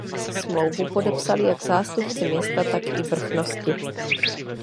Smlouvu podepsali jak zástupci města tak i vrchnosti.